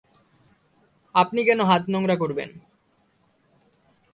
আপনি কেন হাত নোংরা করবেন?